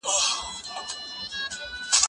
زه د کتابتون کتابونه نه لوستل کوم؟